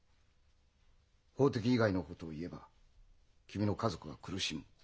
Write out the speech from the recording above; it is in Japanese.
法的以外のことを言えば君の家族は苦しむ。